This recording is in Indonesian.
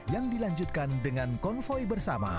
yang dilanjutkan dengan konvoy bersama